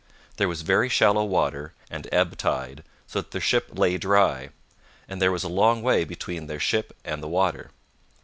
There was very shallow water and ebb tide, so that their ship lay dry; and there was a long way between their ship and the water.